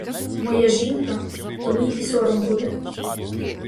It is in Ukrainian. Моя жінка — то мій і сором буде!